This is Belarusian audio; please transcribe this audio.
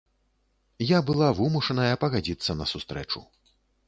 Я была вымушаная пагадзіцца на сустрэчу.